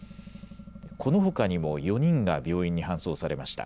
このほかにも４人が病院に搬送されました。